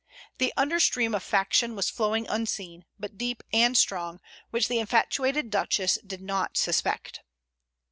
The under stream of faction was flowing unseen, but deep and strong, which the infatuated Duchess did not suspect.